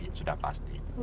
itu sudah pasti